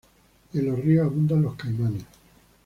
Y en los ríos abundan los caimanes.